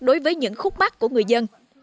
đối với những khúc mắt của người dân